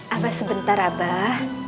abac sebentar abac